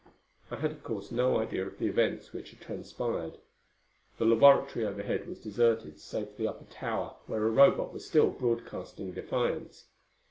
I had, of course, no idea of the events which had transpired. The laboratory overhead was deserted, save for the upper tower where a Robot was still broadcasting defiance.